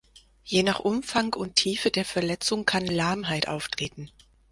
Je nach Umfang und Tiefe der Verletzung kann Lahmheit auftreten.